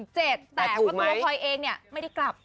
แต่ตัวผมเองเนี่ยไม่ได้กลับ